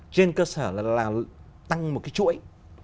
trên cơ sở là tăng một cái chuỗi